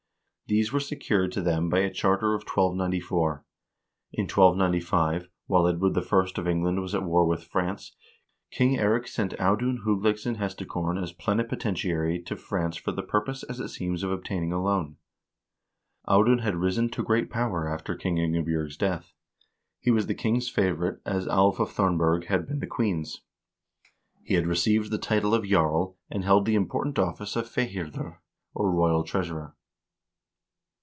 1 These were secured to them by a charter of 1294. In 1295, while Edward I. of England was at war with France, King Eirik sent Audun Hugleiksson Hesta korn as plenipotentiary to France for the purpose, as it seems, of obtaining a loan. Audun had risen to great power after Queen Inge bj0rg's death. He was the king's favorite, as Alv of Thornberg had been the queen's. He had received the title of jarl, and held the important office of fihirdir, or royal treasurer.